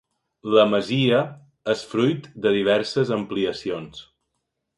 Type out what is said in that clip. La masia és fruit de diverses ampliacions.